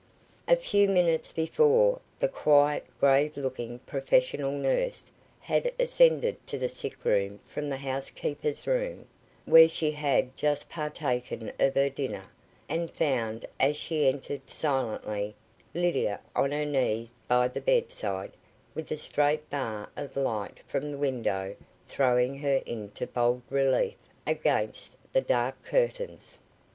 A few minutes before, the quiet, grave looking professional nurse had ascended to the sick room from the housekeeper's room, where she had just partaken of her dinner, and found, as she entered, silently, Lydia on her knees by the bedside, with a straight bar of light from the window throwing her into bold relief against the dark curtains.